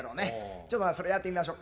ちょっとそれやってみましょうか。